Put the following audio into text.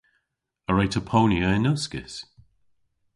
A wre'ta ponya yn uskis?